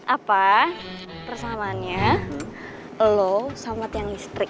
apa persamaannya lo sama tiong listrik